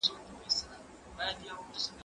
زه هره ورځ سبزیحات تياروم؟